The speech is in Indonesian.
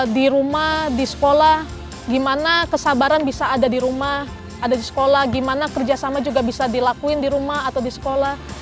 di rumah di sekolah gimana kesabaran bisa ada di rumah ada di sekolah gimana kerjasama juga bisa dilakuin di rumah atau di sekolah